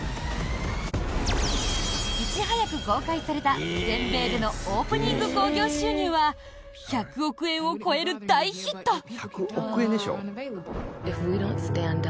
いち早く公開された全米でのオープニング興行収入は１００億円を超える大ヒット。